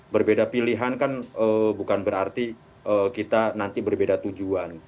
berbeda pilihan kan bukan berarti kita nanti berbeda tujuan